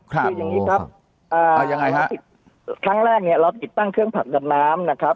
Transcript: ครับคืออย่างงี้ครับอ่ายังไงฮะครั้งแรกเนี้ยเราติดตั้งเครื่องผักดับน้ำนะครับ